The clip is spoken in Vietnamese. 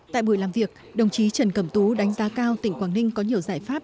tại buổi làm việc đồng chí trần cẩm tú đánh giá cao tỉnh quảng ninh có nhiều giải pháp